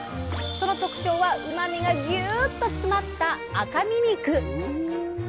その特徴はうまみがギュッと詰まった赤身肉！